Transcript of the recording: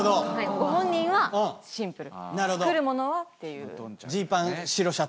ご本人はシンプル作るものはっていう。